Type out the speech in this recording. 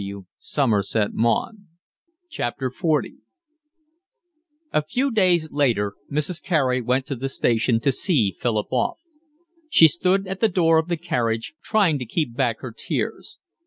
"Oh, I'm so glad." XL A few days later Mrs. Carey went to the station to see Philip off. She stood at the door of the carriage, trying to keep back her tears.